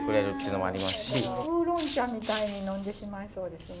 ウーロン茶みたいに呑んでしまいそうですね。